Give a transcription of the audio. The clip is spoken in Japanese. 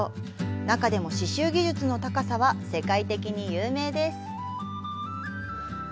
中でも、刺しゅう技術の高さは世界的に有名です。